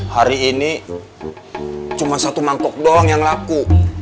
hari ini cuma satu mangkok doang yang laku